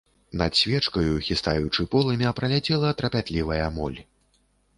Над свечкаю, хістаючы полымя, праляцела трапятлівая моль.